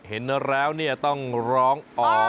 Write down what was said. เห็นแล้วต้องร้องอ๋อ